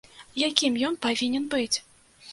Якім ён павінен быць?